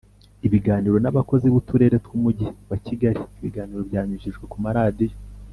ibiganiro n abakozi b Uturere tw Umujyi wa Kigali ibiganiro byanyujijwe ku maradiyo